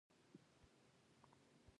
ترکۍ نجلۍ نورو مساپرو ته ډوډۍ وېشله.